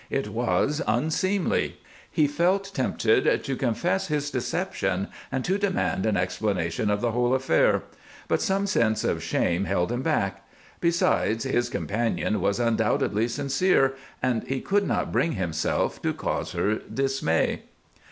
It was unseemly. He felt tempted to confess his deception and to demand an explanation of the whole affair, but some sense of shame held him back. Besides, his companion was undoubtedly sincere, and he could not bring himself to cause her dismay.